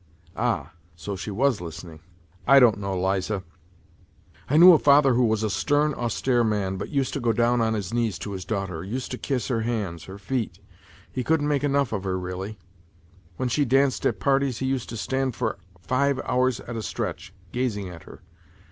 Ah ! so she was listening !" I don't know, Liza. I knew a father who was a stern, austere man, but used to go down on his knees to his daughter, used to kiss her hands, her feet, he couldn't make enough of her, really. When she danced at parties he used to stand for five hours at a stretch, gazing at her.